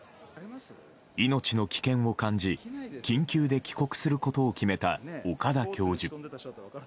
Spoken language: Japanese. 命の危険を感じ緊急で帰国することを決めた岡田教授。